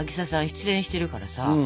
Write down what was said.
失恋してるからさ。